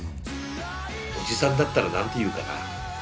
おじさんだったら何て言うかな。